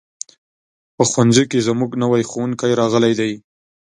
په ښوونځي کې زموږ نوی ښوونکی راغلی دی.